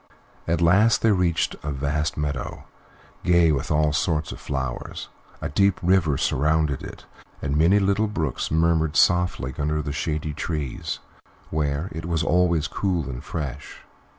At last they reached a vast meadow, gay with all sorts of flowers; a deep river surrounded it, and many little brooks murmured softly under the shady trees, where it was always cool and fresh.